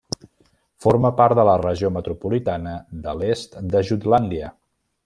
Forma part de la Regió metropolitana de l'est de Jutlàndia.